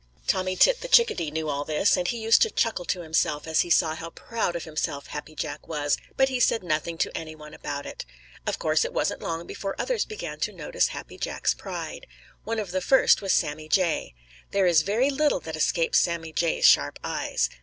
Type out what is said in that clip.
Tommy Tit the Chickadee knew all this, and he used to chuckle to himself as he saw how proud of himself Happy Jack was, but he said nothing to any one about it. Of course, it wasn't long before others began to notice Happy Jack's pride. One of the first was Sammy Jay. There is very little that escapes Sammy Jay's sharp eyes.